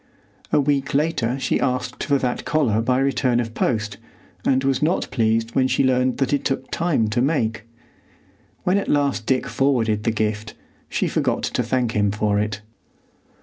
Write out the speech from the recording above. A week later she asked for that collar by return of post, and was not pleased when she learned that it took time to make. When at last Dick forwarded the gift, she forgot to thank him for it.